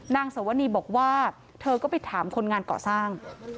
นางสวนีบอกว่าเธอก็ไปถามคนงานก่อสร้าง